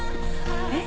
えっ？